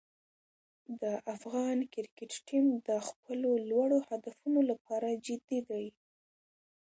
د افغان کرکټ ټیم د خپلو لوړو هدفونو لپاره جدي دی.